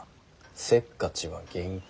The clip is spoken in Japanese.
せっかちは厳禁。